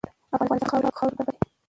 افغانستان د خاوره کوربه دی.